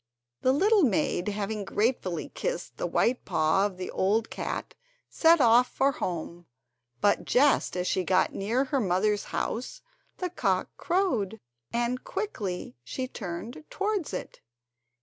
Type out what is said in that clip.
The little maid, having gratefully kissed the white paw of the old cat, set off for home; but just as she got near her mother's house the cock crowed, and quickly she turned towards it.